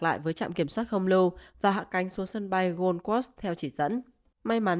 lại với trạm kiểm soát không lâu và hạ cánh xuống sân bay gold coast theo chỉ dẫn